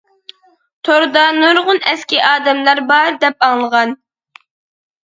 توردا نۇرغۇن ئەسكى ئادەملەر بار دەپ ئاڭلىغان.